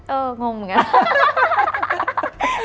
เอองงเหมือนกัน